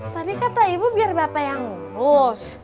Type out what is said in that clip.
tadi kata ibu biar bapak yang ngurus